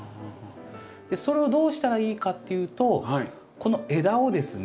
それをどうしたらいいかっていうとこの枝をですね